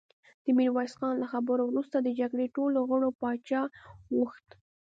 د ميرويس خان له خبرو وروسته د جرګې ټولو غړو پاچا غوښت.